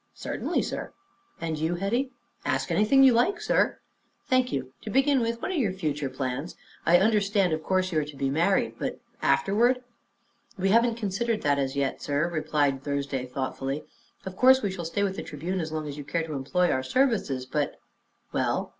"Certainly, sir." "And you, Hetty?" "Ask anything you like, sir." "Thank you. To begin with, what are your future plans? I understand, of course, you are to be married; but afterward?" "We haven't considered that as yet, sir," replied Thursday thoughtfully. "Of course we shall stay with the Tribune as long as you care to employ our services; but " "Well?"